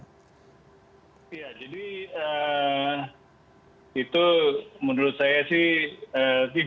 ya jadi itu menurut saya sih tidak